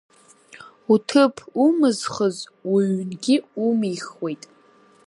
Уҭыԥ умызхыз, уҩнгьы умихуеит.